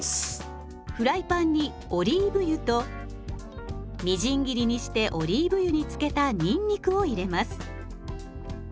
フライパンにオリーブ油とみじん切りにしてオリーブ油に漬けたにんにくを入れます。